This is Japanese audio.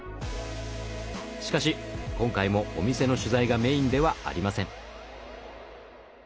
しかし今回もお店の取材がメインではありません。